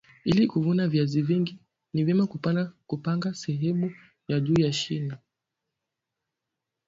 ili kuvuna viazi vingi ni vyema kupanga sehemu ya juu ya shina